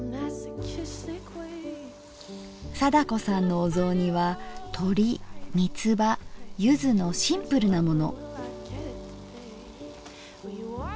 貞子さんのお雑煮はとりみつばゆずのシンプルなもの。